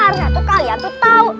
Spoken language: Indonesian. harusnya kalian tuh tau